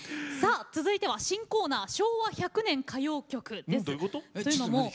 続いては新コーナー「昭和１００年歌謡曲」です。